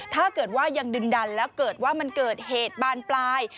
ถ้าเกิดว่ายังดึงดันแล้วเกิดว่ามันเกิดเหตุบานปลาย